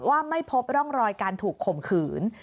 ว่าไม่พบร่องรอยการถูกข่มขืน